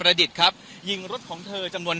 ตอนนี้จะเปลี่ยนอย่างนี้หรอว้าง